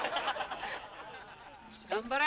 ・頑張れ！